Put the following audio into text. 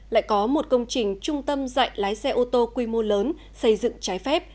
lại có một công trình trung tâm dạy lái xe ô tô quy mô lớn xây dựng trái phép